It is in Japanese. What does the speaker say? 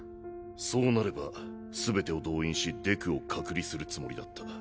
そうなれば全てを動員しデクを隔離するつもりだった。